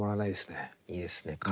いいですね